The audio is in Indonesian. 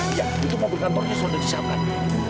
iya itu mobil kantornya sudah disiapkan